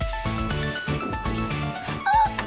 あっ！